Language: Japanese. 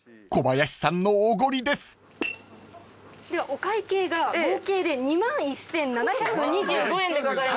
お会計が合計で２万１，７２５円でございます。